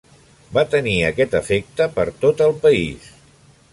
Va tenir aquest efecte per tot el país.